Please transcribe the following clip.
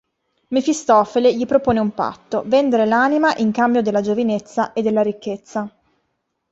Mefistofele gli propone un patto: vendere l'anima in cambio della giovinezza e della ricchezza.